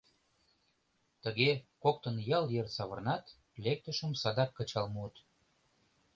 Тыге коктын ял йыр савырнат, лектышым садак кычал муыт.